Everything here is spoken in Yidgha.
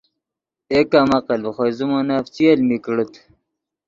اے کم عقل ڤے خوئے زیمونف چی المی کڑیت